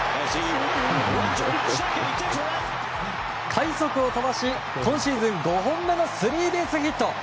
快足を飛ばし今シーズン５本目のスリーベースヒット！